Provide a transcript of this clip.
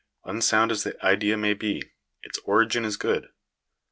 Unsound as the idea may be, its origin is good.